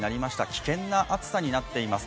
危険な暑さになっています。